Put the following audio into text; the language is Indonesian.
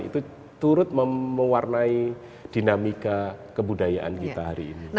itu turut mewarnai dinamika kebudayaan kita hari ini